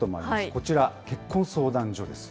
こちら、結婚相談所です。